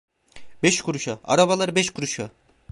Beş kuruşa, arabalar beş kuruşa..